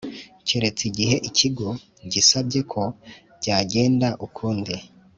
keretse igihe Ikigo gisabye ko byagenda ukundi